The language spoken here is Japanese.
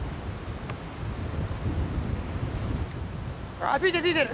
あついてるついてる！